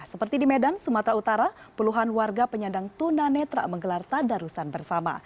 seperti di medan sumatera utara puluhan warga penyandang tunanetra menggelar tadarusan bersama